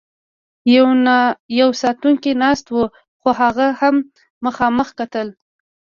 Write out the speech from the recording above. یو ساتونکی ناست و، خو هغه هم مخامخ کتل.